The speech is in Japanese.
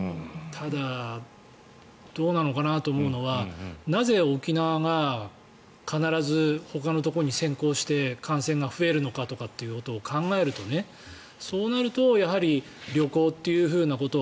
ただどうなのかなと思うのはなぜ沖縄が必ずほかのところに先行して感染が増えるのかとかっていうことを考えるとそうなると旅行ということ。